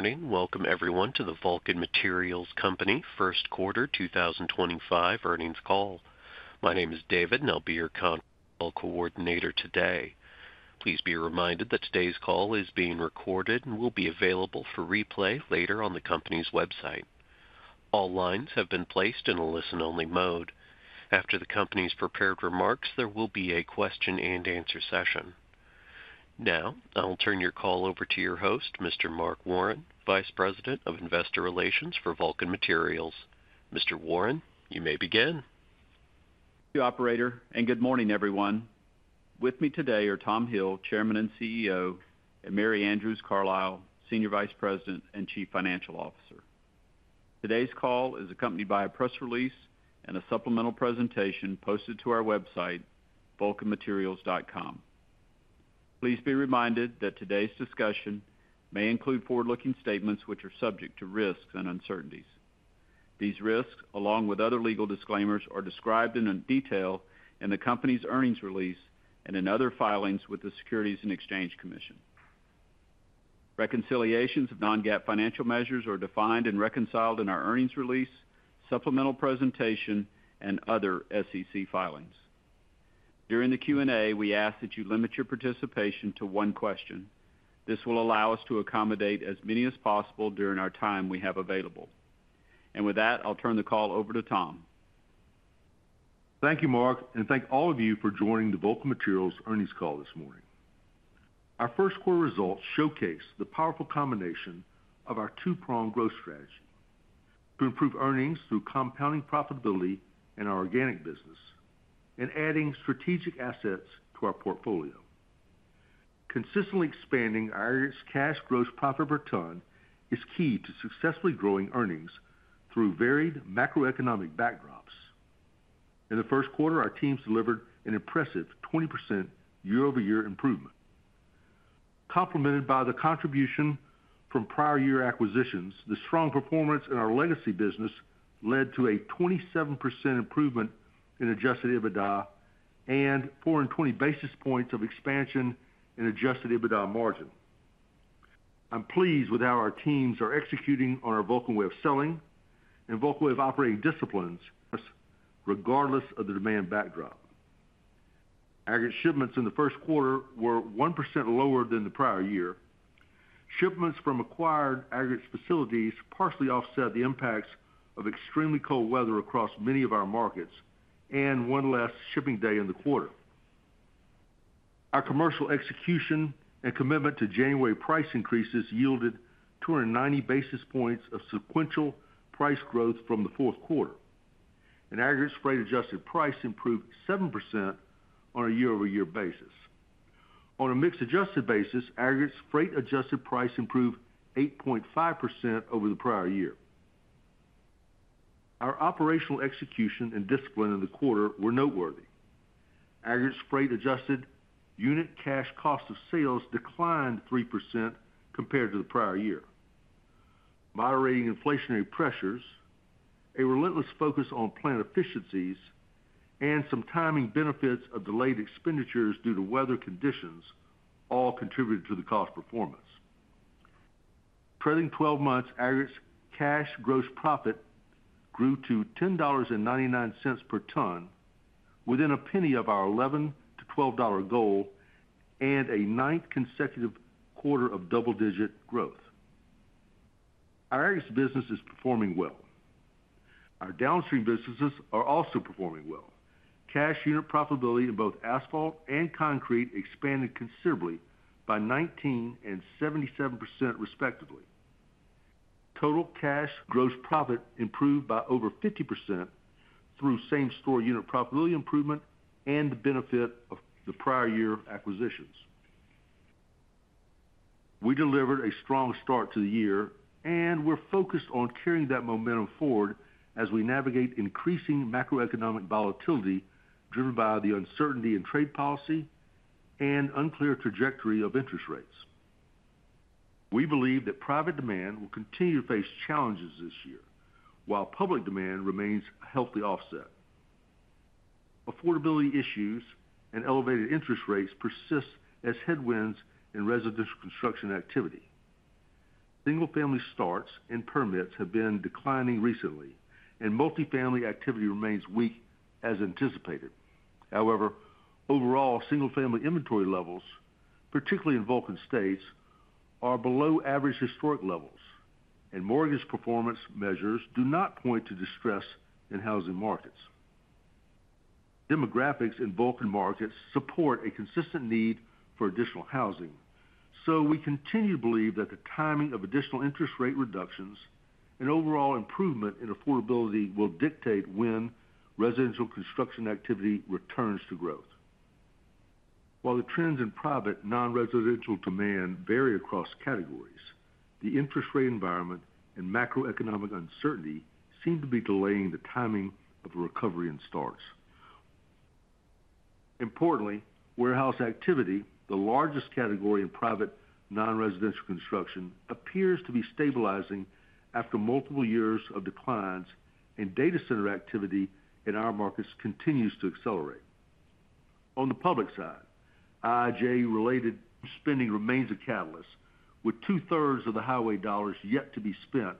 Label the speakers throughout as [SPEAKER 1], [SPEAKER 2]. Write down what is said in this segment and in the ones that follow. [SPEAKER 1] Good morning. Welcome, everyone, to the Vulcan Materials Company first quarter 2025 earnings call. My name is David, and I'll be your account coordinator today. Please be reminded that today's call is being recorded and will be available for replay later on the company's website. All lines have been placed in a listen-only mode. After the company's prepared remarks, there will be a question-and-answer session. Now, I'll turn your call over to your host, Mr. Mark Warren, Vice President of Investor Relations for Vulcan Materials. Mr. Warren, you may begin.
[SPEAKER 2] Thank you, Operator, and good morning, everyone. With me today are Tom Hill, Chairman and CEO, and Mary Andrews Carlisle, Senior Vice President and Chief Financial Officer. Today's call is accompanied by a press release and a supplemental presentation posted to our website, vulcanmaterials.com. Please be reminded that today's discussion may include forward-looking statements which are subject to risks and uncertainties. These risks, along with other legal disclaimers, are described in detail in the company's earnings release and in other filings with the Securities and Exchange Commission. Reconciliations of non-GAAP financial measures are defined and reconciled in our earnings release, supplemental presentation, and other SEC filings. During the Q&A, we ask that you limit your participation to one question. This will allow us to accommodate as many as possible during our time we have available. With that, I'll turn the call over to Tom.
[SPEAKER 3] Thank you, Mark, and thank all of you for joining the Vulcan Materials earnings call this morning. Our first quarter results showcase the powerful combination of our two-pronged growth strategy to improve earnings through compounding profitability in our organic business and adding strategic assets to our portfolio. Consistently expanding our area's cash gross profit per ton is key to successfully growing earnings through varied macroeconomic backdrops. In the first quarter, our teams delivered an impressive 20% year-over-year improvement. Complimented by the contribution from prior year acquisitions, the strong performance in our legacy business led to a 27% improvement in adjusted EBITDA and 420 basis points of expansion in adjusted EBITDA margin. I'm pleased with how our teams are executing on our Vulcan way of selling and Vulcan way of operating disciplines, regardless of the demand backdrop. Aggregate shipments in the first quarter were 1% lower than the prior year. Shipments from acquired aggregates facilities partially offset the impacts of extremely cold weather across many of our markets and one less shipping day in the quarter. Our commercial execution and commitment to January price increases yielded 290 basis points of sequential price growth from the fourth quarter. Aggregates freight adjusted price improved 7% on a year-over-year basis. On a mixed adjusted basis, aggregates freight adjusted price improved 8.5% over the prior year. Our operational execution and discipline in the quarter were noteworthy. Aggregates freight adjusted unit cash cost of sales declined 3% compared to the prior year. Moderating inflationary pressures, a relentless focus on plant efficiencies, and some timing benefits of delayed expenditures due to weather conditions all contributed to the cost performance. For 12 months, aggregates cash gross profit grew to 10.99 dollars per ton, within a penny of our 11-12 dollar goal, and a ninth consecutive quarter of double-digit growth. Our aggregates business is performing well. Our downstream businesses are also performing well. Cash unit profitability in both asphalt and concrete expanded considerably by 19% and 77% respectively. Total cash gross profit improved by over 50% through same-store unit profitability improvement and the benefit of the prior year acquisitions. We delivered a strong start to the year, and we're focused on carrying that momentum forward as we navigate increasing macroeconomic volatility driven by the uncertainty in trade policy and unclear trajectory of interest rates. We believe that private demand will continue to face challenges this year while public demand remains healthy offset. Affordability issues and elevated interest rates persist as headwinds in residential construction activity. Single-family starts and permits have been declining recently, and multi-family activity remains weak as anticipated. However, overall, single-family inventory levels, particularly in Vulcan states, are below average historic levels, and mortgage performance measures do not point to distress in housing markets. Demographics in Vulcan markets support a consistent need for additional housing, so we continue to believe that the timing of additional interest rate reductions and overall improvement in affordability will dictate when residential construction activity returns to growth. While the trends in private non-residential demand vary across categories, the interest rate environment and macroeconomic uncertainty seem to be delaying the timing of recovery and starts. Importantly, warehouse activity, the largest category in private non-residential construction, appears to be stabilizing after multiple years of declines and data center activity in our markets continues to accelerate. On the public side, IIJA-related spending remains a catalyst. With two-thirds of the highway dollars yet to be spent,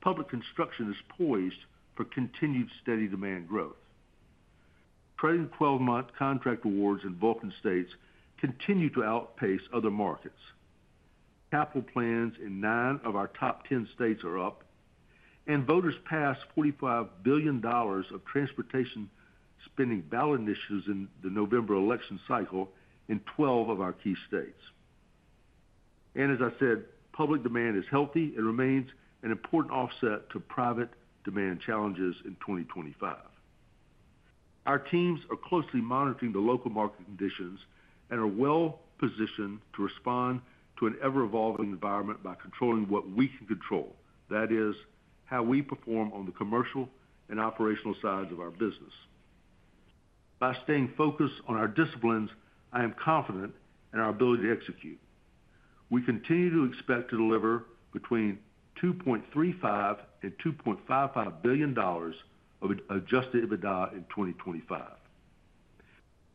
[SPEAKER 3] public construction is poised for continued steady demand growth. Trailing-twelve month contract awards in Vulcan states continue to outpace other markets. Capital plans in nine of our top 10 states are up, and voters passed 45 billion dollars of transportation spending ballot initiatives in the November election cycle in 12 of our key states. As I said, public demand is healthy and remains an important offset to private demand challenges in 2025. Our teams are closely monitoring the local market conditions and are well-positioned to respond to an ever-evolving environment by controlling what we can control. That is, how we perform on the commercial and operational sides of our business. By staying focused on our disciplines, I am confident in our ability to execute. We continue to expect to deliver between 2.35 billion and 2.55 billion dollars of adjusted EBITDA in 2025.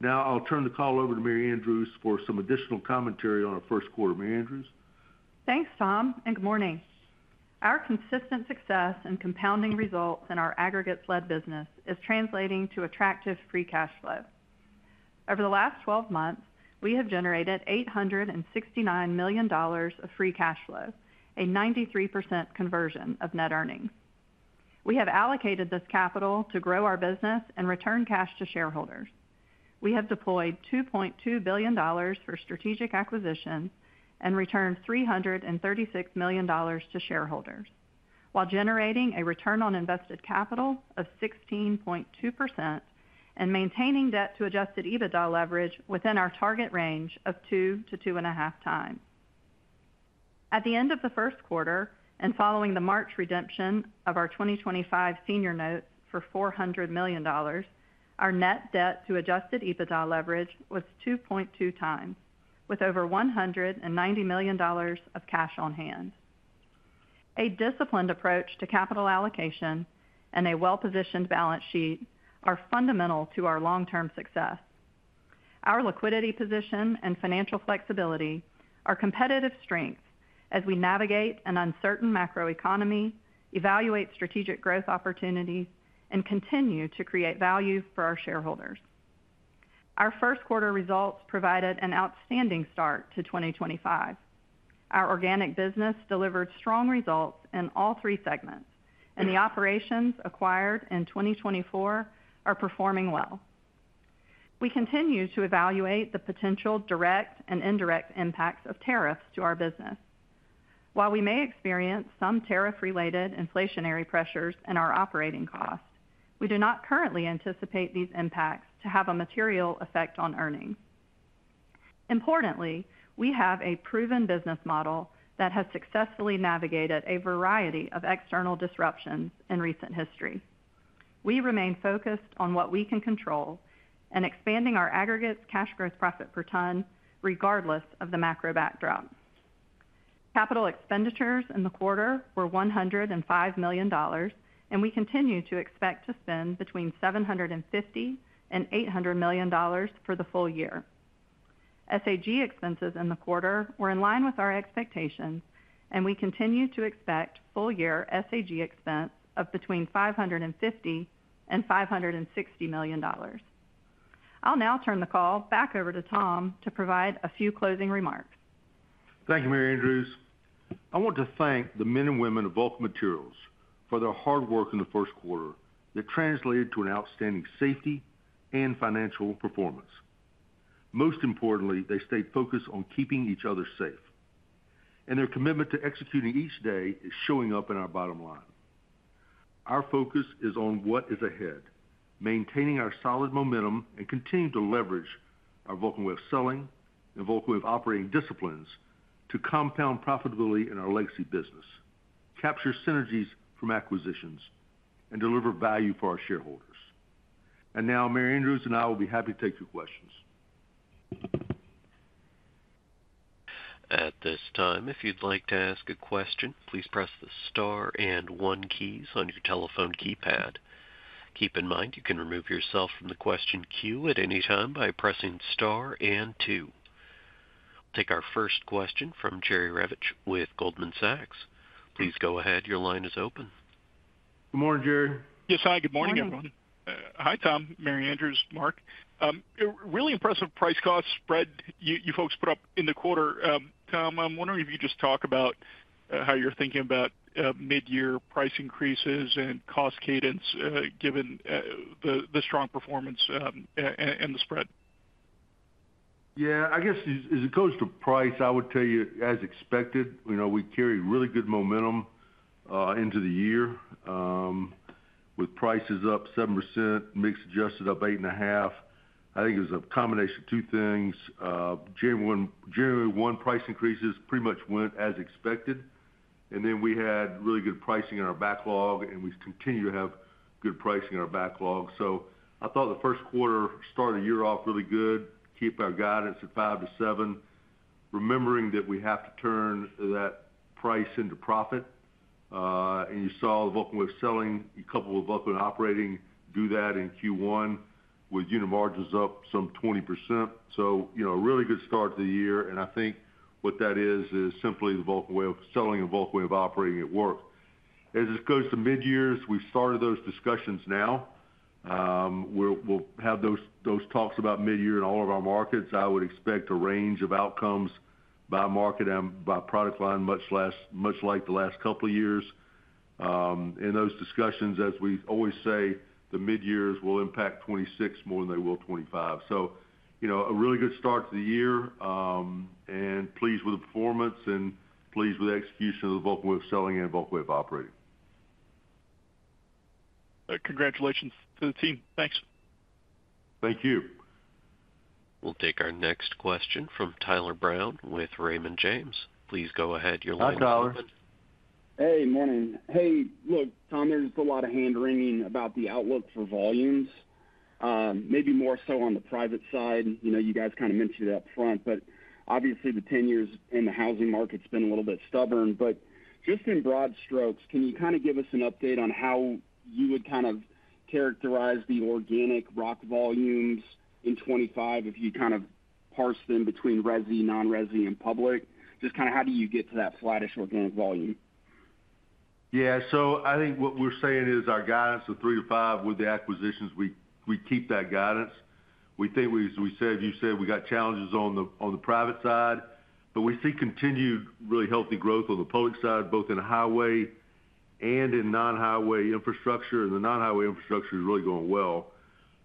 [SPEAKER 3] Now, I'll turn the call over to Mary Andrews for some additional commentary on our first quarter. Mary Andrews?
[SPEAKER 4] Thanks, Tom, and good morning. Our consistent success and compounding results in our aggregates-led business is translating to attractive free cash flow. Over the last 12 months, we have generated 869 million dollars of free cash flow, a 93% conversion of net earnings. We have allocated this capital to grow our business and return cash to shareholders. We have deployed 2.2 billion dollars for strategic acquisitions and returned 336 million dollars to shareholders, while generating a return on invested capital of 16.2% and maintaining debt-to-adjusted EBITDA leverage within our target range of 2-2.5 times. At the end of the first quarter and following the March redemption of our 2025 senior notes for 400 million dollars, our net debt-to-adjusted EBITDA leverage was 2.2 times, with over 190 million dollars of cash on hand. A disciplined approach to capital allocation and a well-positioned balance sheet are fundamental to our long-term success. Our liquidity position and financial flexibility are competitive strengths as we navigate an uncertain macroeconomy, evaluate strategic growth opportunities, and continue to create value for our shareholders. Our first quarter results provided an outstanding start to 2025. Our organic business delivered strong results in all three segments, and the operations acquired in 2024 are performing well. We continue to evaluate the potential direct and indirect impacts of tariffs to our business. While we may experience some tariff-related inflationary pressures in our operating costs, we do not currently anticipate these impacts to have a material effect on earnings. Importantly, we have a proven business model that has successfully navigated a variety of external disruptions in recent history. We remain focused on what we can control and expanding our aggregates cash gross profit per ton, regardless of the macro backdrop. Capital expenditures in the quarter were 105 million dollars, and we continue to expect to spend between 750 and 800 million dollars for the full year. SAG expenses in the quarter were in line with our expectations, and we continue to expect full-year SAG expense of between 550 and 560 million dollars. I'll now turn the call back over to Tom to provide a few closing remarks.
[SPEAKER 3] Thank you, Mary Andrews. I want to thank the men and women of Vulcan Materials for their hard work in the first quarter that translated to an outstanding safety and financial performance. Most importantly, they stayed focused on keeping each other safe, and their commitment to executing each day is showing up in our bottom line. Our focus is on what is ahead, maintaining our solid momentum and continuing to leverage our Vulcan way of selling and Vulcan way of operating disciplines to compound profitability in our legacy business, capture synergies from acquisitions, and deliver value for our shareholders. Mary Andrews and I will be happy to take your questions.
[SPEAKER 1] At this time, if you'd like to ask a question, please press the star and one keys on your telephone keypad. Keep in mind, you can remove yourself from the question queue at any time by pressing star and two. We'll take our first question from Jerry Revich with Goldman Sachs. Please go ahead. Your line is open.
[SPEAKER 3] Good morning, Jerry.
[SPEAKER 4] Yes, hi.
[SPEAKER 5] Good morning, everyone. Hi, Tom, Mary Andrews, Mark. Really impressive price cost spread you folks put up in the quarter. Tom, I'm wondering if you could just talk about how you're thinking about mid-year price increases and cost cadence given the strong performance and the spread.
[SPEAKER 3] Yeah, I guess as it goes to price, I would tell you, as expected, we carry really good momentum into the year with prices up 7%, mixed adjusted up 8.5%. I think it was a combination of two things. Generally, one, price increases pretty much went as expected, and then we had really good pricing in our backlog, and we continue to have good pricing in our backlog. I thought the first quarter started the year off really good, keeping our guidance at 5-7%, remembering that we have to turn that price into profit. You saw the Vulcan way of selling, coupled with Vulcan way of operating, do that in Q1 with unit margins up some 20%. A really good start to the year, and I think what that is, is simply the Vulcan way of selling and Vulcan way of operating at work. As it goes to mid-years, we've started those discussions now. We'll have those talks about mid-year in all of our markets. I would expect a range of outcomes by market and by product line, much like the last couple of years. In those discussions, as we always say, the mid-years will impact 2026 more than they will 2025. A really good start to the year, and pleased with the performance and pleased with the execution of the Vulcan way of selling and Vulcan way of operating.
[SPEAKER 5] Congratulations to the team. Thanks.
[SPEAKER 3] Thank you.
[SPEAKER 1] We'll take our next question from Tyler Brown with Raymond James. Please go ahead. Your line is open.
[SPEAKER 3] Hi, Tyler.
[SPEAKER 6] Hey, morning. Hey, look, Tom, there's a lot of hand-wringing about the outlook for volumes, maybe more so on the private side. You guys kind of mentioned it up front, but obviously, the 10 years in the housing market's been a little bit stubborn. Just in broad strokes, can you kind of give us an update on how you would kind of characterize the organic rock volumes in 2025 if you kind of parse them between resi, non-resi, and public? Just kind of how do you get to that slattish organic volume?
[SPEAKER 3] Yeah, so I think what we're saying is our guidance of 3-5% with the acquisitions, we keep that guidance. We think, as we said, you said, we got challenges on the private side, but we see continued really healthy growth on the public side, both in highway and in non-highway infrastructure. The non-highway infrastructure is really going well.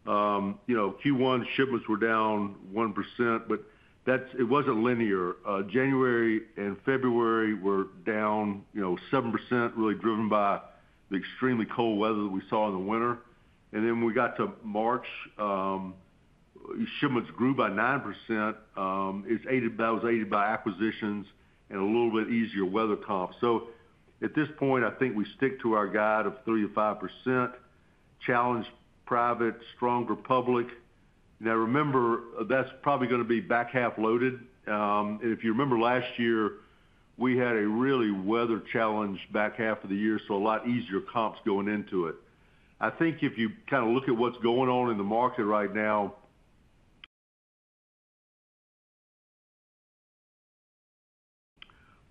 [SPEAKER 3] Q1 shipments were down 1%, but it was not linear. January and February were down 7%, really driven by the extremely cold weather that we saw in the winter. When we got to March, shipments grew by 9%. That was aided by acquisitions and a little bit easier weather, Tom. At this point, I think we stick to our guide of 3-5%, challenge private, stronger public. Now, remember, that is probably going to be back half loaded. If you remember last year, we had a really weather-challenged back half of the year, so a lot easier comps going into it. I think if you kind of look at what's going on in the market right now,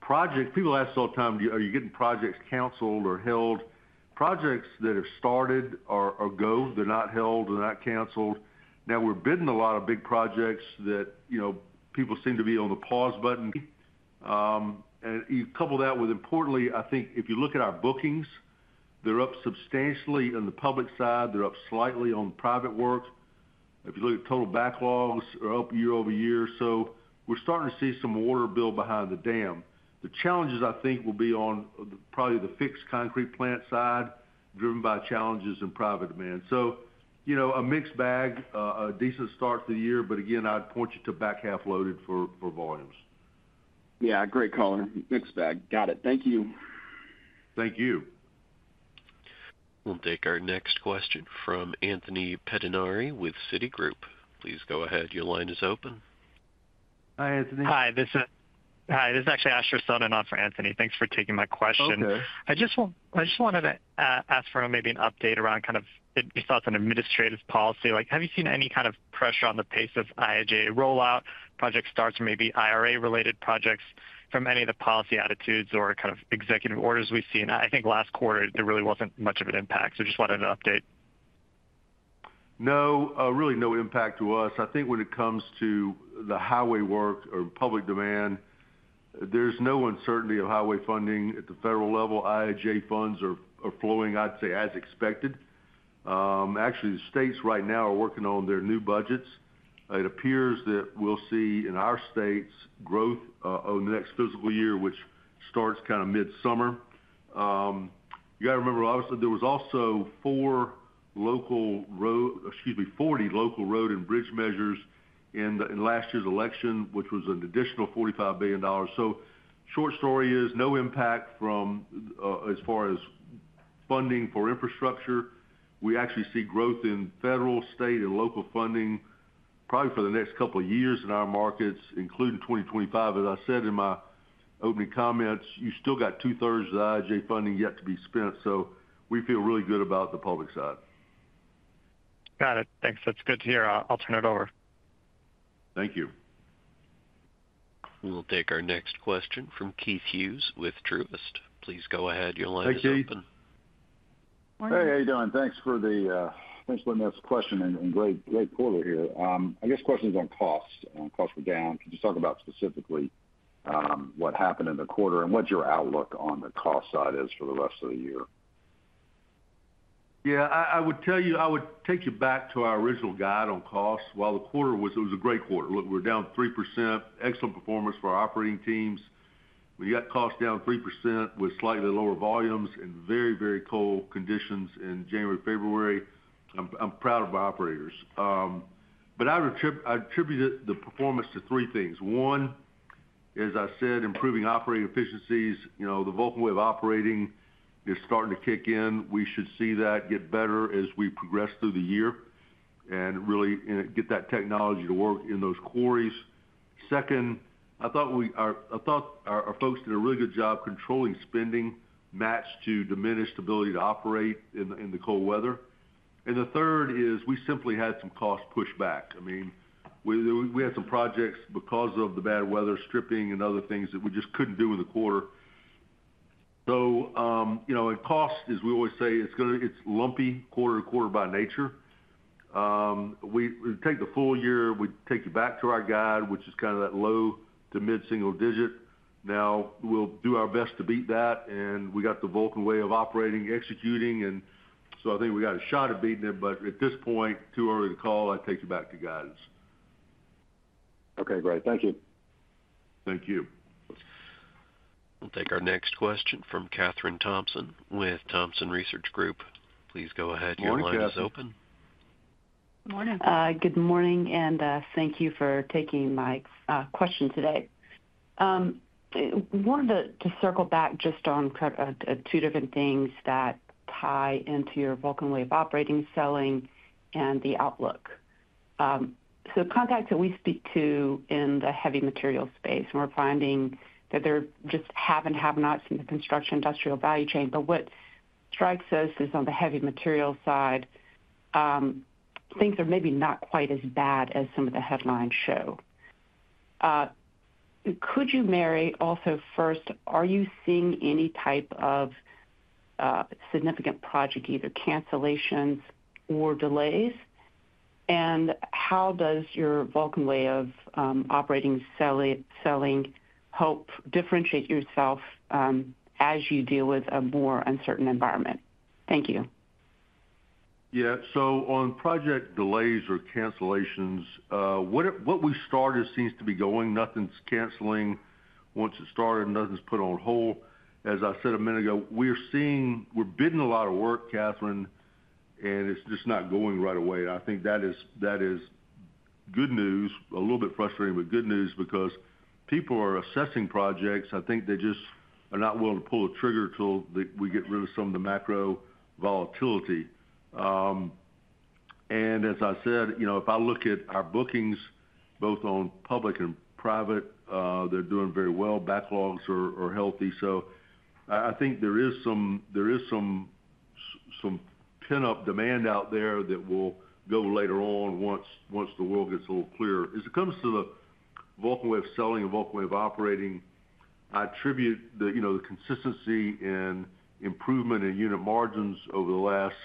[SPEAKER 3] projects people ask all the time, are you getting projects canceled or held? Projects that are started or go, they're not held, they're not canceled. Now, we're bidding a lot of big projects that people seem to be on the pause button. You couple that with, importantly, I think if you look at our bookings, they're up substantially on the public side, they're up slightly on private work. If you look at total backlogs, they're up year-over-year. We're starting to see some water bill behind the dam. The challenges, I think, will be on probably the fixed concrete plant side, driven by challenges in private demand. A mixed bag, a decent start to the year, but again, I'd point you to back half loaded for volumes.
[SPEAKER 6] Yeah, great caller. Mixed bag. Got it. Thank you.
[SPEAKER 3] Thank you.
[SPEAKER 1] We'll take our next question from Anthony Pettinari with Citigroup. Please go ahead. Your line is open.
[SPEAKER 3] Hi, Anthony.
[SPEAKER 7] Hi. Hi. This is actually Asher Sohnen on for Anthony. Thanks for taking my question.
[SPEAKER 3] Okay.
[SPEAKER 7] I just wanted to ask for maybe an update around kind of your thoughts on administrative policy. Have you seen any kind of pressure on the pace of IIJA rollout, project starts, or maybe IRA-related projects from any of the policy attitudes or kind of executive orders we have seen? I think last quarter, there really was not much of an impact, so just wanted to update.
[SPEAKER 3] No, really no impact to us. I think when it comes to the highway work or public demand, there's no uncertainty of highway funding at the federal level. IIJA funds are flowing, I'd say, as expected. Actually, the states right now are working on their new budgets. It appears that we'll see in our states growth in the next fiscal year, which starts kind of mid-summer. You got to remember, obviously, there was also 40 local road and bridge measures in last year's election, which was an additional 45 billion dollars. Short story is no impact from as far as funding for infrastructure. We actually see growth in federal, state, and local funding probably for the next couple of years in our markets, including 2025. As I said in my opening comments, you still got two-thirds of the IIJA funding yet to be spent. We feel really good about the public side.
[SPEAKER 7] Got it. Thanks. That's good to hear. I'll turn it over.
[SPEAKER 3] Thank you.
[SPEAKER 1] We'll take our next question from Keith Hughes with Truist. Please go ahead. Your line is open.
[SPEAKER 3] Hey, Keith.
[SPEAKER 8] Hey, how you doing? Thanks for letting me ask a question and great quarter here. I guess questions on costs. Costs were down. Could you talk about specifically what happened in the quarter and what your outlook on the cost side is for the rest of the year?
[SPEAKER 3] Yeah, I would tell you, I would take you back to our original guide on costs. The quarter was a great quarter. Look, we were down 3%, excellent performance for our operating teams. We got costs down 3% with slightly lower volumes and very, very cold conditions in January and February. I'm proud of our operators. I attribute the performance to three things. One, as I said, improving operating efficiencies. The Vulcan way of operating is starting to kick in. We should see that get better as we progress through the year and really get that technology to work in those quarries. Second, I thought our folks did a really good job controlling spending matched to diminished ability to operate in the cold weather. The third is we simply had some cost pushback. I mean, we had some projects because of the bad weather, stripping and other things that we just could not do in the quarter. In cost, as we always say, it is lumpy, quarter-to-quarter by nature. We take the full year, we take you back to our guide, which is kind of that low to mid-single digit. Now, we will do our best to beat that, and we got the Vulcan way of operating, executing, and so I think we got a shot at beating it, but at this point, too early to call. I take you back to guidance.
[SPEAKER 8] Okay, great. Thank you.
[SPEAKER 3] Thank you.
[SPEAKER 1] We'll take our next question from Kathryn Thompson with Thompson Research Group. Please go ahead. Your line is open.
[SPEAKER 3] Good morning.
[SPEAKER 9] Good morning, and thank you for taking my question today. I wanted to circle back just on two different things that tie into your Vulcan way of operating, selling, and the outlook. The context that we speak to in the heavy materials space, we're finding that there just have and have-nots in the construction industrial value chain. What strikes us is on the heavy materials side, things are maybe not quite as bad as some of the headlines show. Could you, Mary, also first, are you seeing any type of significant project, either cancellations or delays? How does your Vulcan way of operating, selling, hope differentiate yourself as you deal with a more uncertain environment? Thank you.
[SPEAKER 3] Yeah, so on project delays or cancellations, what we started seems to be going. Nothing's canceling once it started, nothing's put on hold. As I said a minute ago, we're bidding a lot of work, Kathryn, and it's just not going right away. I think that is good news, a little bit frustrating, but good news because people are assessing projects. I think they just are not willing to pull the trigger until we get rid of some of the macro volatility. As I said, if I look at our bookings, both on public and private, they're doing very well. Backlogs are healthy. I think there is some pin-up demand out there that will go later on once the world gets a little clearer. As it comes to the Vulcan way of selling and Vulcan way of operating, I attribute the consistency and improvement in unit margins over the last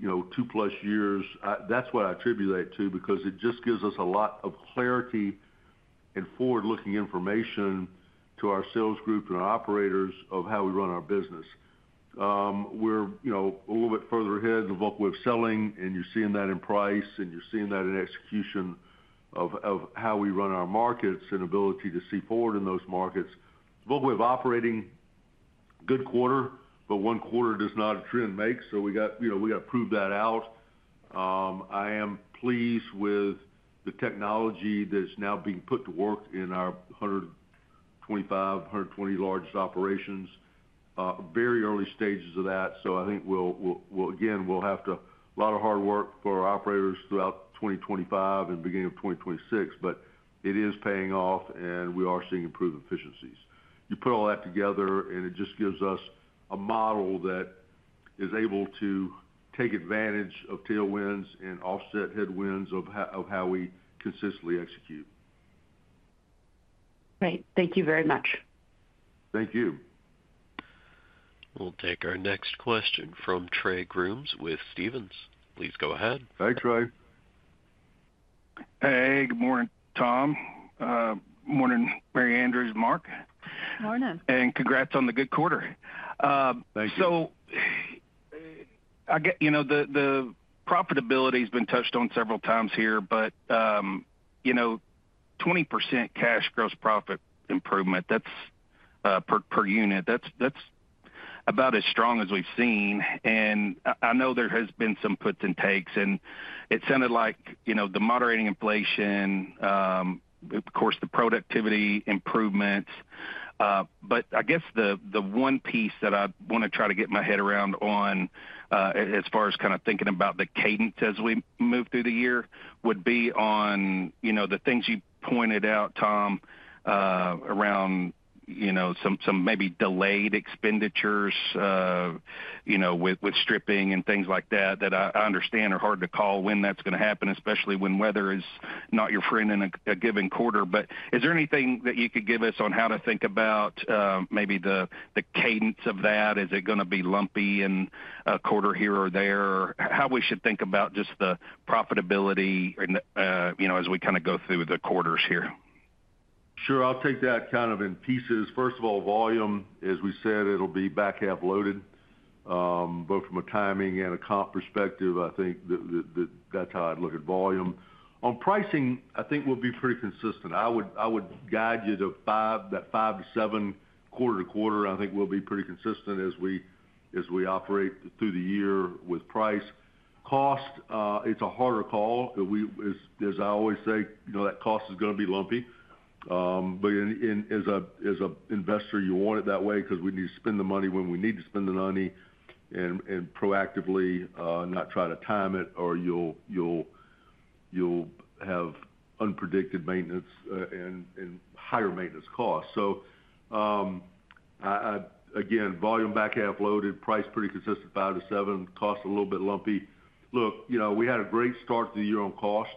[SPEAKER 3] two-plus years. That's what I attribute that to because it just gives us a lot of clarity and forward-looking information to our sales group and our operators of how we run our business. We're a little bit further ahead in the Vulcan way of selling, and you're seeing that in price, and you're seeing that in execution of how we run our markets and ability to see forward in those markets. Vulcan way of operating, good quarter, but one quarter does not a trend make, so we got to prove that out. I am pleased with the technology that's now being put to work in our 125, 120 largest operations, very early stages of that. I think, again, we'll have to do a lot of hard work for our operators throughout 2025 and beginning of 2026, but it is paying off, and we are seeing improved efficiencies. You put all that together, and it just gives us a model that is able to take advantage of tailwinds and offset headwinds of how we consistently execute.
[SPEAKER 9] Great. Thank you very much.
[SPEAKER 3] Thank you.
[SPEAKER 1] We'll take our next question from Trey Grooms with Stephens. Please go ahead.
[SPEAKER 3] Hey, Trey.
[SPEAKER 10] Hey, good morning, Tom. Morning, Mary Andrews and Mark.
[SPEAKER 4] Morning.
[SPEAKER 10] Congrats on the good quarter.
[SPEAKER 3] Thank you.
[SPEAKER 10] The profitability has been touched on several times here, but 20% cash gross profit improvement, that's per unit. That's about as strong as we've seen. I know there has been some puts and takes, and it sounded like the moderating inflation, of course, the productivity improvements. I guess the one piece that I want to try to get my head around on as far as kind of thinking about the cadence as we move through the year would be on the things you pointed out, Tom, around some maybe delayed expenditures with stripping and things like that that I understand are hard to call when that's going to happen, especially when weather is not your friend in a given quarter. Is there anything that you could give us on how to think about maybe the cadence of that? Is it going to be lumpy in a quarter here or there? How should we think about just the profitability as we kind of go through the quarters here?
[SPEAKER 3] Sure. I'll take that kind of in pieces. First of all, volume, as we said, it'll be back half loaded, both from a timing and a comp perspective. I think that's how I'd look at volume. On pricing, I think we'll be pretty consistent. I would guide you to that five to seven, quarter-to-quarter. I think we'll be pretty consistent as we operate through the year with price. Cost, it's a harder call. As I always say, that cost is going to be lumpy. As an investor, you want it that way because we need to spend the money when we need to spend the money and proactively not try to time it, or you'll have unpredicted maintenance and higher maintenance costs. Again, volume back half loaded, price pretty consistent, five to seven, cost a little bit lumpy. Look, we had a great start to the year on cost.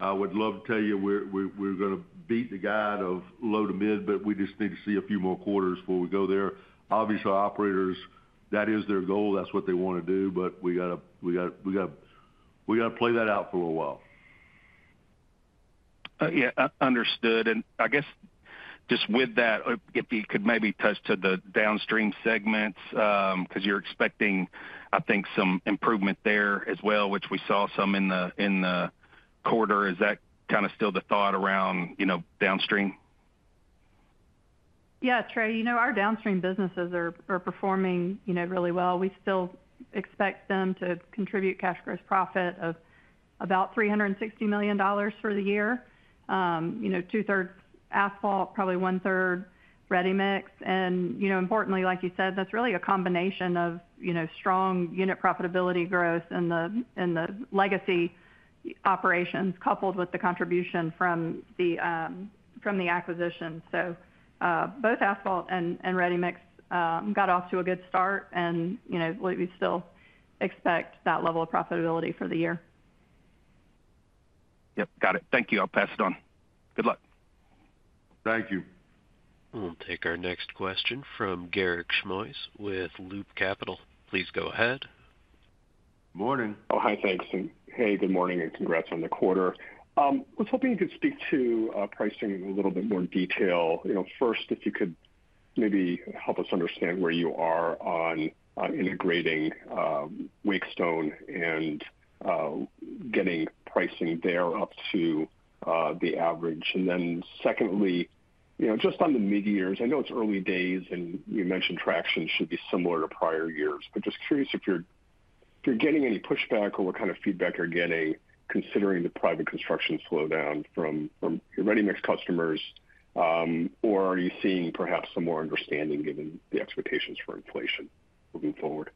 [SPEAKER 3] I would love to tell you we're going to beat the guide of low to mid, but we just need to see a few more quarters before we go there. Obviously, operators, that is their goal. That's what they want to do, but we got to play that out for a little while.
[SPEAKER 10] Yeah, understood. I guess just with that, if you could maybe touch to the downstream segments because you're expecting, I think, some improvement there as well, which we saw some in the quarter. Is that kind of still the thought around downstream?
[SPEAKER 4] Yeah, Trey, our downstream businesses are performing really well. We still expect them to contribute cash gross profit of about 360 million dollars for the year, two-thirds asphalt, probably one-third ready mix. Importantly, like you said, that's really a combination of strong unit profitability growth and the legacy operations coupled with the contribution from the acquisition. Both asphalt and ready mix got off to a good start, and we still expect that level of profitability for the year.
[SPEAKER 10] Yep. Got it. Thank you. I'll pass it on. Good luck.
[SPEAKER 3] Thank you.
[SPEAKER 1] We'll take our next question from Garik Shmois with Loop Capital. Please go ahead.
[SPEAKER 3] Good morning.
[SPEAKER 11] Oh, hi, thanks. Hey, good morning, and congrats on the quarter. I was hoping you could speak to pricing in a little bit more detail. First, if you could maybe help us understand where you are on integrating Wake Stone and getting pricing there up to the average. Then, just on the mid-years, I know it's early days, and you mentioned traction should be similar to prior years, but just curious if you're getting any pushback or what kind of feedback you're getting considering the private construction slowdown from your ready-mixed customers, or are you seeing perhaps some more understanding given the expectations for inflation moving forward?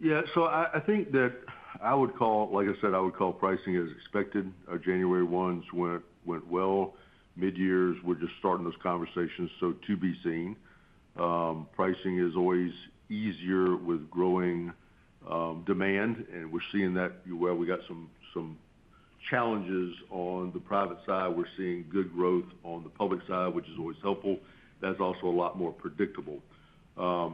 [SPEAKER 3] Yeah, so I think that I would call, like I said, I would call pricing as expected. Our January ones went well. Mid-years, we are just starting those conversations, so to be seen. Pricing is always easier with growing demand, and we are seeing that. Where we got some challenges on the private side, we are seeing good growth on the public side, which is always helpful. That is also a lot more predictable. I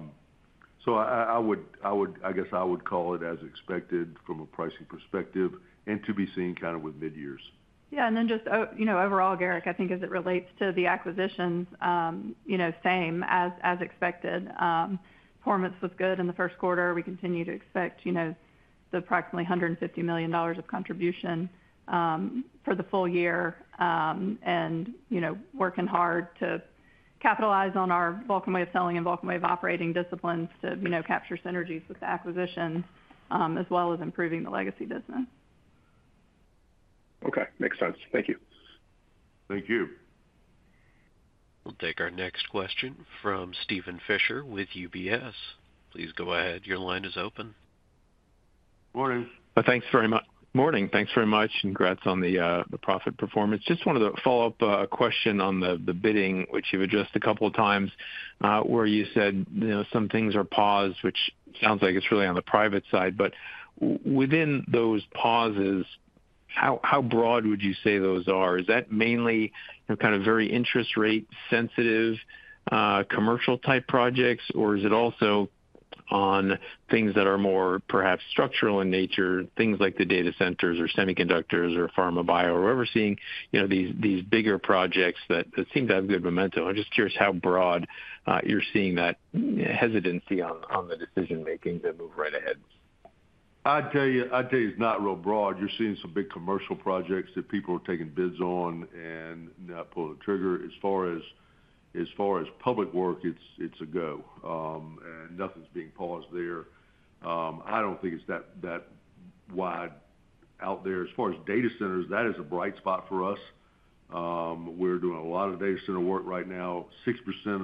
[SPEAKER 3] guess I would call it as expected from a pricing perspective and to be seen kind of with mid-years.
[SPEAKER 4] Yeah. Just overall, Garik, I think as it relates to the acquisitions, same as expected. Performance was good in the first quarter. We continue to expect the approximately 150 million dollars of contribution for the full year and working hard to capitalize on our Vulcan way of selling and Vulcan way of operating disciplines to capture synergies with the acquisition as well as improving the legacy business.
[SPEAKER 11] Okay. Makes sense. Thank you.
[SPEAKER 3] Thank you.
[SPEAKER 1] We'll take our next question from Steven Fisher with UBS. Please go ahead. Your line is open.
[SPEAKER 3] Morning.
[SPEAKER 12] Thanks very much. Morning. Thanks very much. Congrats on the profit performance. Just wanted to follow up a question on the bidding, which you've addressed a couple of times where you said some things are paused, which sounds like it's really on the private side. Within those pauses, how broad would you say those are? Is that mainly kind of very interest rate sensitive commercial-type projects, or is it also on things that are more perhaps structural in nature, things like the data centers or semiconductors or pharma bio, or we're seeing these bigger projects that seem to have good momentum? I'm just curious how broad you're seeing that hesitancy on the decision-making to move right ahead.
[SPEAKER 3] I'd tell you, I'd tell you it's not real broad. You're seeing some big commercial projects that people are taking bids on and not pulling the trigger. As far as public work, it's a go, and nothing's being paused there. I don't think it's that wide out there. As far as data centers, that is a bright spot for us. We're doing a lot of data center work right now. 6%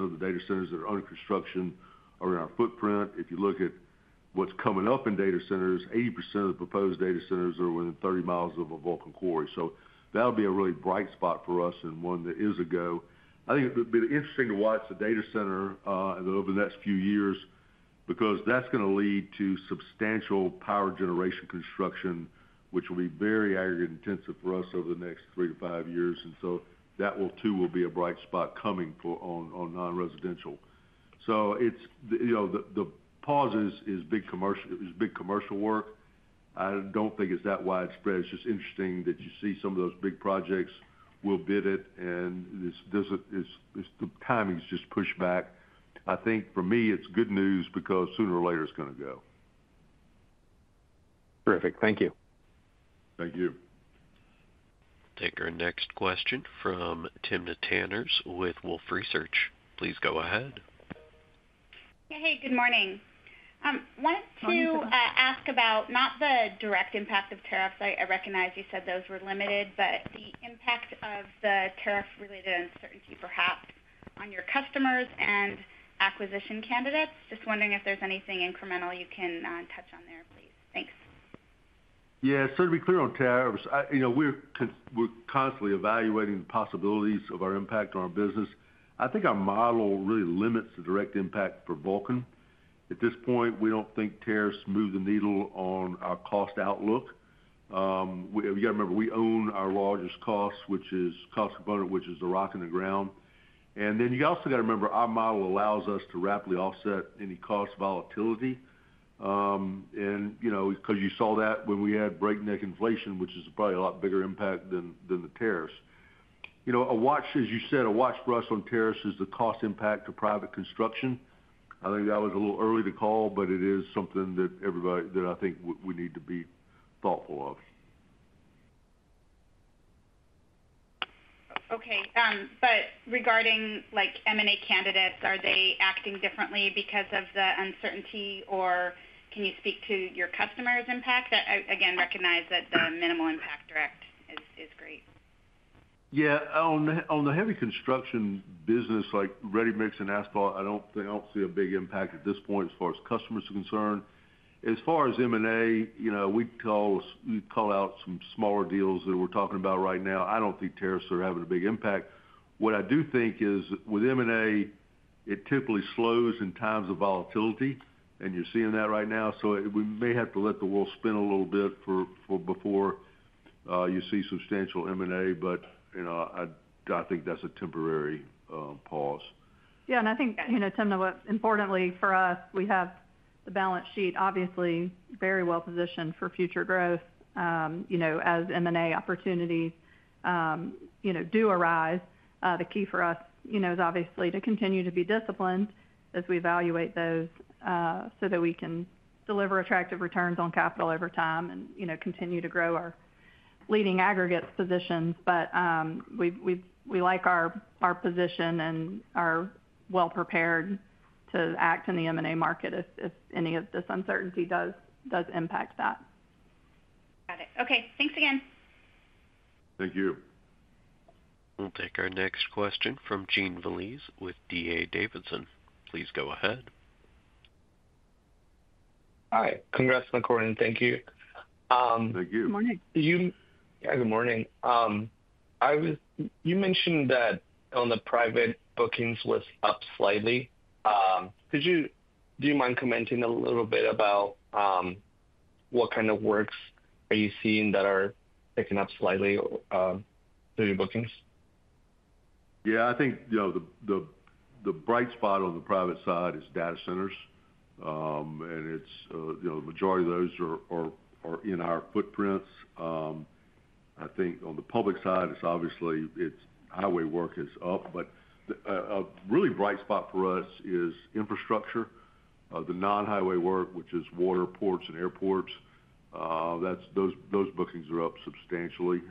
[SPEAKER 3] of the data centers that are under construction are in our footprint. If you look at what's coming up in data centers, 80% of the proposed data centers are within 30 mi of a Vulcan quarry. That'll be a really bright spot for us and one that is a go. I think it'll be interesting to watch the data center over the next few years because that's going to lead to substantial power generation construction, which will be very aggregate intensive for us over the next three to five years. That will too be a bright spot coming on non-residential. The pause is big commercial work. I don't think it's that widespread. It's just interesting that you see some of those big projects, we'll bid it, and the timing's just pushed back. I think for me, it's good news because sooner or later it's going to go.
[SPEAKER 12] Terrific. Thank you.
[SPEAKER 3] Thank you.
[SPEAKER 1] We'll take our next question from Timna Tanners with Wolfe Research. Please go ahead.
[SPEAKER 13] Hey, good morning. Wanted to ask about not the direct impact of tariffs. I recognize you said those were limited, but the impact of the tariff-related uncertainty perhaps on your customers and acquisition candidates. Just wondering if there's anything incremental you can touch on there, please. Thanks.
[SPEAKER 3] Yeah. To be clear on tariffs, we're constantly evaluating the possibilities of our impact on our business. I think our model really limits the direct impact for Vulcan. At this point, we don't think tariffs move the needle on our cost outlook. You got to remember, we own our largest cost, which is cost component, which is the rock in the ground. You also got to remember, our model allows us to rapidly offset any cost volatility. You saw that when we had breakneck inflation, which is probably a lot bigger impact than the tariffs. As you said, a watch for us on tariffs is the cost impact of private construction. I think that is a little early to call, but it is something that I think we need to be thoughtful of.
[SPEAKER 13] Okay. Regarding M&A candidates, are they acting differently because of the uncertainty, or can you speak to your customers' impact? Again, recognize that the minimal impact direct is great.
[SPEAKER 3] Yeah. On the heavy construction business, like ready mix and asphalt, I do not see a big impact at this point as far as customers are concerned. As far as M&A, we call out some smaller deals that we are talking about right now. I do not think tariffs are having a big impact. What I do think is with M&A, it typically slows in times of volatility, and you are seeing that right now. We may have to let the world spin a little bit before you see substantial M&A, but I think that is a temporary pause.
[SPEAKER 4] Yeah. I think, Tim, importantly for us, we have the balance sheet obviously very well positioned for future growth as M&A opportunities do arise. The key for us is obviously to continue to be disciplined as we evaluate those so that we can deliver attractive returns on capital over time and continue to grow our leading aggregate positions. We like our position and are well prepared to act in the M&A market if any of this uncertainty does impact that.
[SPEAKER 13] Got it. Okay. Thanks again.
[SPEAKER 3] Thank you.
[SPEAKER 1] We'll take our next question from Jean Veliz with D.A. Davidson. Please go ahead.
[SPEAKER 14] Hi. Congrats on the recording. Thank you.
[SPEAKER 3] Thank you.
[SPEAKER 4] Good morning.
[SPEAKER 14] Yeah, good morning. You mentioned that on the private bookings was up slightly. Do you mind commenting a little bit about what kind of works are you seeing that are picking up slightly through your bookings?
[SPEAKER 3] Yeah. I think the bright spot on the private side is data centers, and the majority of those are in our footprints. I think on the public side, obviously, highway work is up, a really bright spot for us is infrastructure. The non-highway work, which is water, ports, and airports, those bookings are up substantially.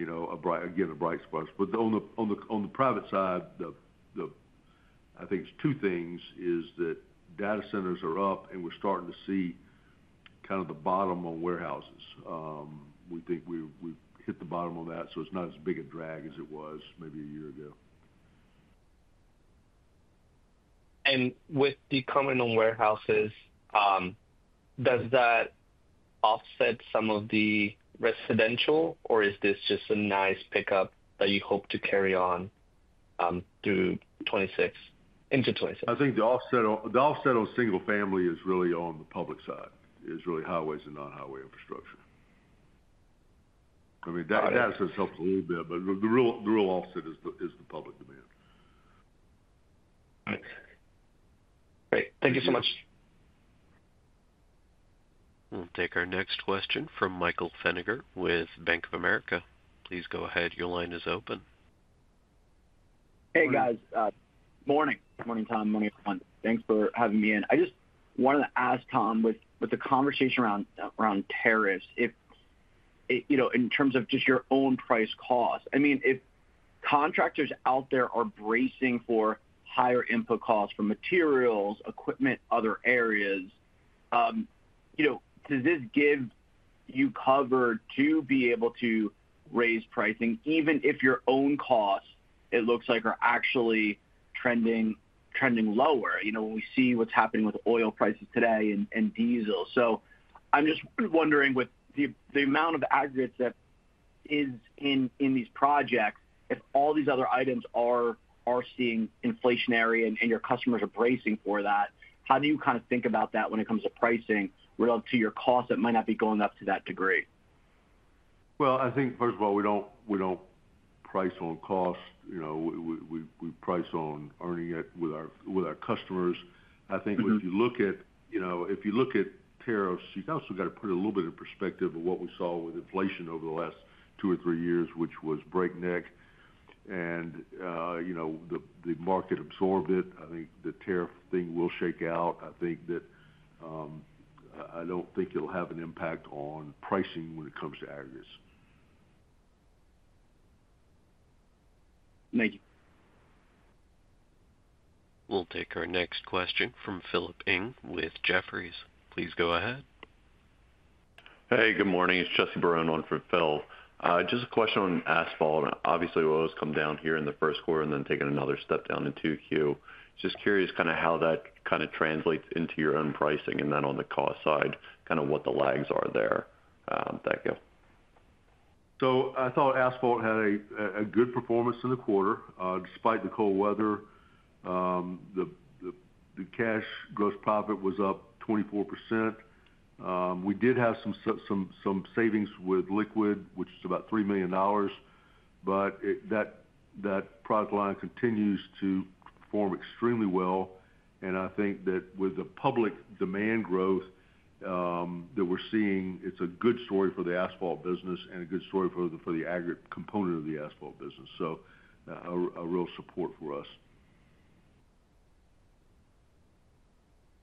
[SPEAKER 3] Again, a bright spot. On the private side, I think it is two things: data centers are up, and we're starting to see kind of the bottom on warehouses. We think we've hit the bottom on that, so it's not as big a drag as it was maybe a year ago.
[SPEAKER 14] With the comment on warehouses, does that offset some of the residential, or is this just a nice pickup that you hope to carry on into 2026?
[SPEAKER 3] I think the offset on single family is really on the public side, is really highways and non-highway infrastructure. I mean, data centers help a little bit, but the real offset is the public demand.
[SPEAKER 14] Great. Thank you so much.
[SPEAKER 1] We'll take our next question from Michael Feniger with Bank of America. Please go ahead. Your line is open.
[SPEAKER 15] Hey, guys.
[SPEAKER 3] Morning.
[SPEAKER 15] Morning, Tom. Morning, everyone. Thanks for having me in. I just wanted to ask, Tom, with the conversation around tariffs, in terms of just your own price cost, I mean, if contractors out there are bracing for higher input costs for materials, equipment, other areas, does this give you cover to be able to raise pricing even if your own costs, it looks like, are actually trending lower? We see what's happening with oil prices today and diesel. I am just wondering, with the amount of aggregates that is in these projects, if all these other items are seeing inflationary and your customers are bracing for that, how do you kind of think about that when it comes to pricing relative to your costs that might not be going up to that degree?
[SPEAKER 3] I think, first of all, we don't price on cost. We price on earning it with our customers. I think if you look at tariffs, you also got to put a little bit in perspective of what we saw with inflation over the last two or three years, which was breakneck, and the market absorbed it. I think the tariff thing will shake out. I don't think it'll have an impact on pricing when it comes to aggregates.
[SPEAKER 15] Thank you.
[SPEAKER 1] We'll take our next question from Philip Ng with Jefferies. Please go ahead. Hey, good morning. It's Chess Brown on for Phil. Just a question on asphalt. Obviously, we always come down here in the first quarter and then take another step down into Q. Just curious kind of how that kind of translates into your own pricing and then on the cost side, kind of what the lags are there. Thank you.
[SPEAKER 3] I thought asphalt had a good performance in the quarter despite the cold weather. The cash gross profit was up 24%. We did have some savings with liquid, which is about 3 million dollars, but that product line continues to perform extremely well. I think that with the public demand growth that we're seeing, it's a good story for the asphalt business and a good story for the aggregate component of the asphalt business. A real support for us.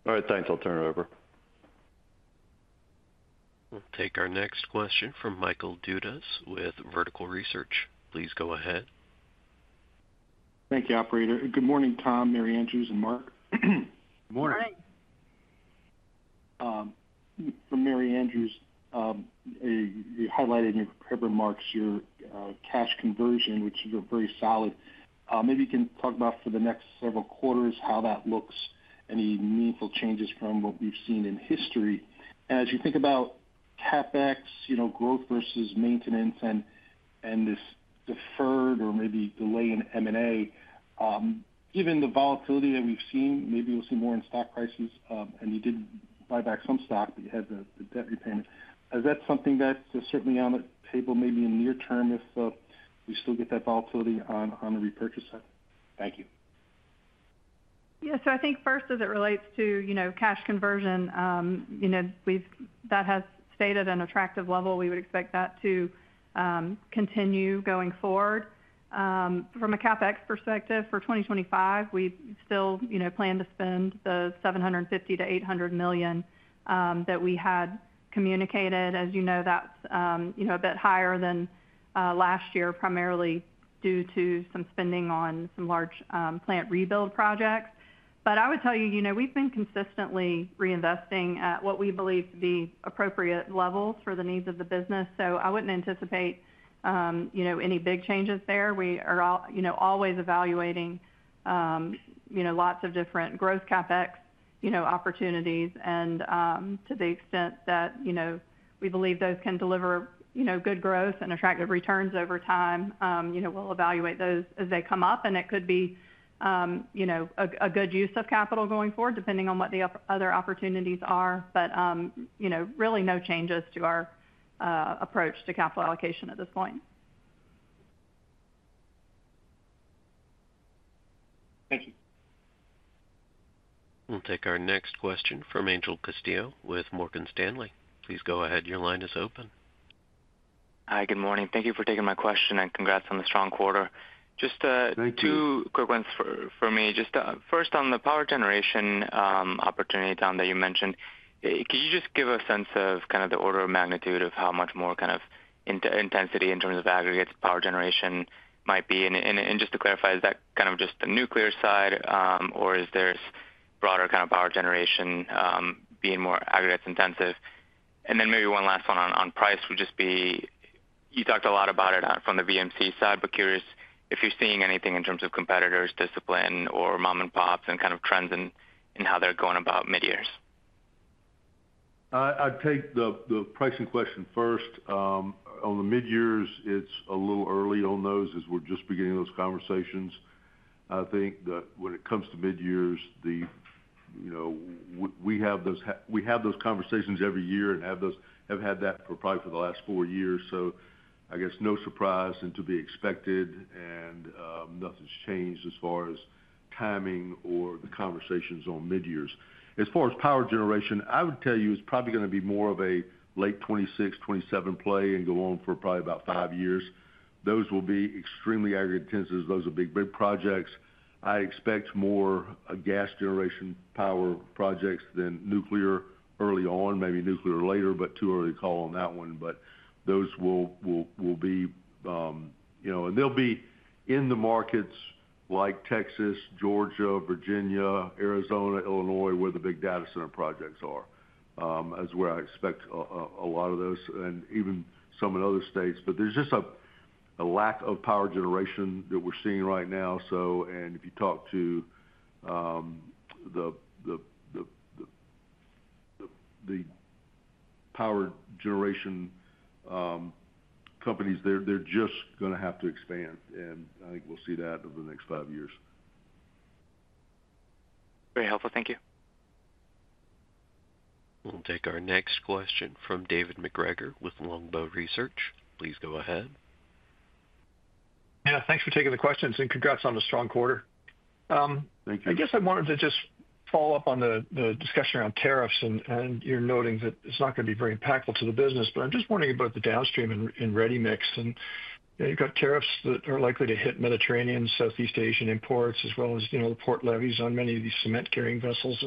[SPEAKER 3] All right. Thanks. I'll turn it over.
[SPEAKER 1] We'll take our next question from Michael Dudas with Vertical Research. Please go ahead.
[SPEAKER 16] Thank you, operator. Good morning, Tom, Mary Andrews, and Mark.
[SPEAKER 4] Good morning.
[SPEAKER 3] Morning.
[SPEAKER 16] For Mary Andrews, you highlighted in your paper marks your cash conversion, which is very solid. Maybe you can talk about for the next several quarters how that looks, any meaningful changes from what we've seen in history. As you think about CapEx growth versus maintenance and this deferred or maybe delay in M&A, given the volatility that we've seen, maybe we'll see more in stock prices, and you did buy back some stock, but you had the debt repayment. Is that something that's certainly on the table maybe in the near term if we still get that volatility on the repurchase side? Thank you.
[SPEAKER 4] Yeah. I think first, as it relates to cash conversion, that has stayed at an attractive level. We would expect that to continue going forward. From a CapEx perspective, for 2025, we still plan to spend the 750-800 million that we had communicated. As you know, that's a bit higher than last year, primarily due to some spending on some large plant rebuild projects. I would tell you, we've been consistently reinvesting at what we believe to be appropriate levels for the needs of the business. I wouldn't anticipate any big changes there. We are always evaluating lots of different gross CapEx opportunities. To the extent that we believe those can deliver good growth and attractive returns over time, we'll evaluate those as they come up. It could be a good use of capital going forward, depending on what the other opportunities are. Really, no changes to our approach to capital allocation at this point.
[SPEAKER 16] Thank you.
[SPEAKER 1] We'll take our next question from Angel Castillo with Morgan Stanley. Please go ahead. Your line is open.
[SPEAKER 17] Hi. Good morning. Thank you for taking my question and congrats on the strong quarter. Just two quick ones for me. First, on the power generation opportunity that you mentioned, could you just give a sense of kind of the order of magnitude of how much more kind of intensity in terms of aggregates power generation might be? Just to clarify, is that kind of just the nuclear side, or is there broader kind of power generation being more aggregates intensive? Maybe one last one on price would just be you talked a lot about it from the VMC side, but curious if you're seeing anything in terms of competitors, discipline, or mom-and-pops, and kind of trends in how they're going about mid-years.
[SPEAKER 3] I'd take the pricing question first. On the mid-years, it's a little early on those as we're just beginning those conversations. I think that when it comes to mid-years, we have those conversations every year and have had that probably for the last four years. No surprise and to be expected. Nothing's changed as far as timing or the conversations on mid-years. As far as power generation, I would tell you it's probably going to be more of a late 2026, 2027 play and go on for probably about five years. Those will be extremely aggregate intensive. Those will be big projects. I expect more gas generation power projects than nuclear early on, maybe nuclear later, but too early to call on that one. Those will be, and they'll be in the markets like Texas, Georgia, Virginia, Arizona, Illinois, where the big data center projects are, is where I expect a lot of those, and even some in other states. There is just a lack of power generation that we're seeing right now. If you talk to the power generation companies, they're just going to have to expand. I think we'll see that over the next five years.
[SPEAKER 17] Very helpful. Thank you.
[SPEAKER 1] We'll take our next question from David MacGregor with Longbow Research. Please go ahead.
[SPEAKER 18] Yeah. Thanks for taking the questions and congrats on the strong quarter.
[SPEAKER 3] Thank you.
[SPEAKER 18] I guess I wanted to just follow up on the discussion around tariffs and you're noting that it's not going to be very impactful to the business, but I'm just wondering about the downstream in ready mix. You've got tariffs that are likely to hit Mediterranean, Southeast Asian imports, as well as the port levies on many of these cement-carrying vessels.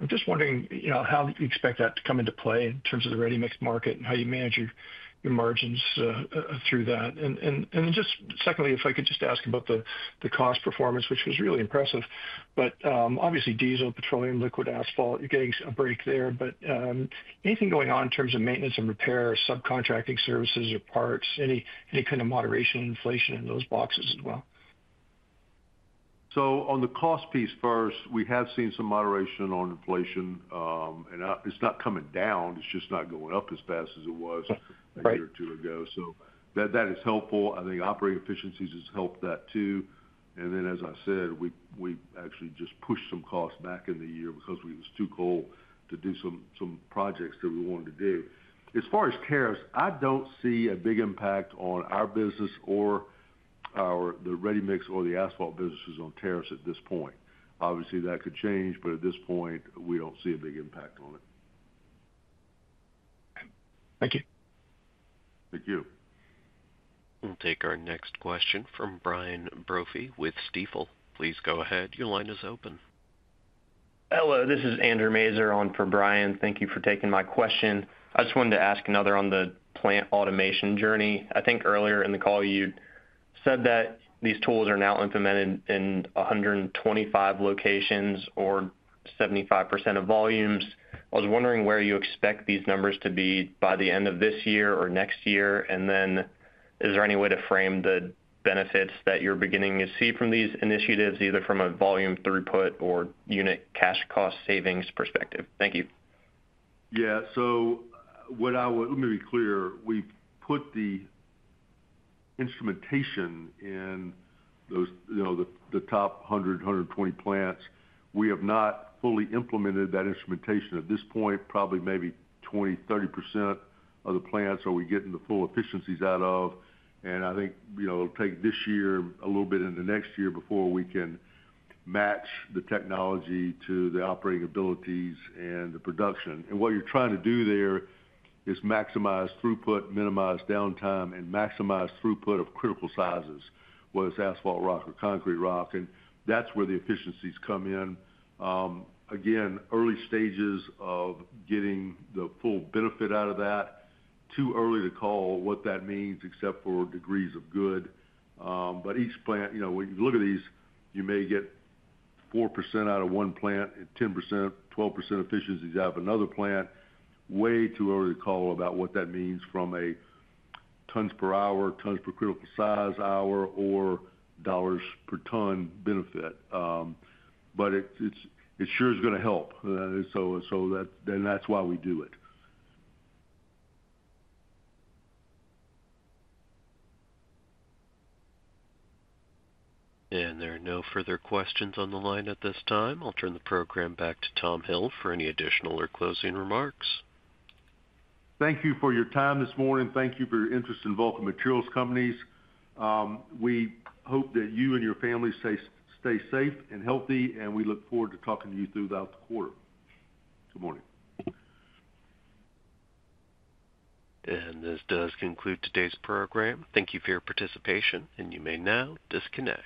[SPEAKER 18] I'm just wondering how you expect that to come into play in terms of the ready-mix market and how you manage your margins through that. Secondly, if I could just ask about the cost performance, which was really impressive. Obviously, diesel, petroleum, liquid asphalt, you're getting a break there. Anything going on in terms of maintenance and repair, subcontracting services or parts, any kind of moderation in inflation in those boxes as well?
[SPEAKER 3] On the cost piece first, we have seen some moderation on inflation. It is not coming down. It is just not going up as fast as it was a year or two ago. That is helpful. I think operating efficiencies has helped that too. As I said, we actually just pushed some costs back in the year because it was too cold to do some projects that we wanted to do. As far as tariffs, I do not see a big impact on our business or the ready-mixed concrete or the asphalt businesses on tariffs at this point. Obviously, that could change, but at this point, we do not see a big impact on it.
[SPEAKER 18] Thank you.
[SPEAKER 3] Thank you.
[SPEAKER 1] We'll take our next question from Brian Brophy with Stifel. Please go ahead. Your line is open.
[SPEAKER 19] Hello. This is Andrew Maser on for Brian. Thank you for taking my question. I just wanted to ask another on the plant automation journey. I think earlier in the call, you said that these tools are now implemented in 125 locations or 75% of volumes. I was wondering where you expect these numbers to be by the end of this year or next year. Is there any way to frame the benefits that you're beginning to see from these initiatives, either from a volume throughput or unit cash cost savings perspective? Thank you.
[SPEAKER 3] Yeah. Let me be clear. We've put the instrumentation in the top 100, 120 plants. We have not fully implemented that instrumentation at this point. Probably maybe 20-30% of the plants are we getting the full efficiencies out of. I think it'll take this year and a little bit into next year before we can match the technology to the operating abilities and the production. What you're trying to do there is maximize throughput, minimize downtime, and maximize throughput of critical sizes, whether it's asphalt rock or concrete rock. That's where the efficiencies come in. Again, early stages of getting the full benefit out of that. Too early to call what that means except for degrees of good. Each plant, when you look at these, you may get 4% out of one plant and 10-12% efficiencies out of another plant. Way too early to call about what that means from a tons per hour, tons per critical size hour, or dollars per ton benefit. It sure is going to help. That is why we do it.
[SPEAKER 1] There are no further questions on the line at this time. I'll turn the program back to Tom Hill for any additional or closing remarks.
[SPEAKER 3] Thank you for your time this morning. Thank you for your interest in Vulcan Materials Company. We hope that you and your family stay safe and healthy, and we look forward to talking to you throughout the quarter. Good morning.
[SPEAKER 1] This does conclude today's program. Thank you for your participation, and you may now disconnect.